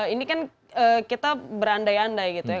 ini kan kita berandai andai gitu ya